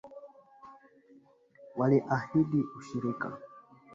Waliahidi ushirika